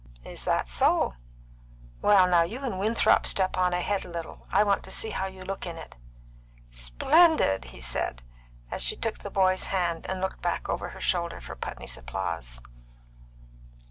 "Is that so? Well, now, you and Winthrop step on ahead a little; I want to see how you look in it. Splendid!" he said, as she took the boy's hand and looked back over her shoulder for Putney's applause.